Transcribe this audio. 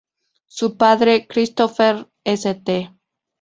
Su padre, Christopher St.